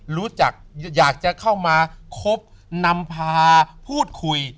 รู้จักอยากจะเข้ามาคบนำพาพูดคุย